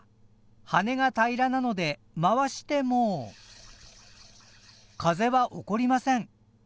羽根が平らなので回しても風は起こりません。